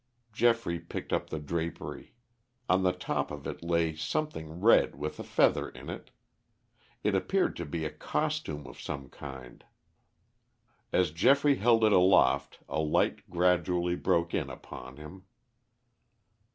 Geoffrey picked up the drapery. On the top of it lay something red with a feather in it. It appeared to be a costume of some kind. As Geoffrey held it aloft a light gradually broke in upon him.